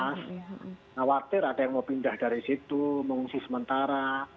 khawatir ada yang mau pindah dari situ mengungsi sementara